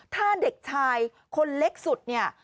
ถ้าเด็กชายคนเล็กสุดเนี่ย